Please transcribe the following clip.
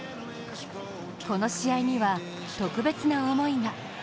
この試合には、特別な思いが。